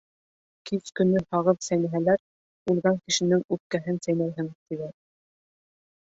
Кис көнө һағыҙ сәйнәһәләр, «үлгән кешенең үпкәһен сәйнәйһең», тиҙәр.